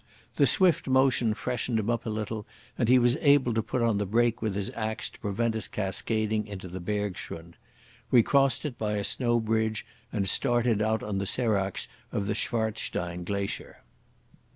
The swift motion freshened him up a little, and he was able to put on the brake with his axe to prevent us cascading into the bergschrund. We crossed it by a snow bridge, and started out on the seracs of the Schwarzstein glacier.